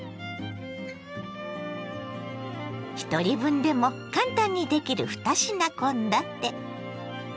ひとり分でも簡単にできる２品献立。